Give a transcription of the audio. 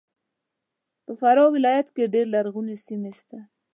په فراه ولایت کې ډېر لرغونې سیمې سته